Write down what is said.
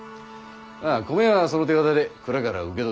あぁ米はその手形で蔵から受け取ってこい。